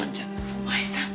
お前さん